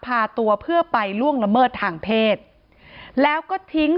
พาตัวเพื่อไปล่วงละเมิดทางเพศแล้วก็ทิ้ง